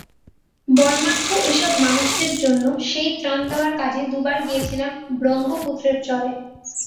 বন্যার্ত এসব মানুষের জন্য সেই ত্রাণ দেওয়ার কাজে দুবার গিয়েছিলাম ব্রহ্মপুত্রের চরে।